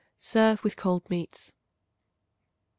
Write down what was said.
Serve with cold meats. 29.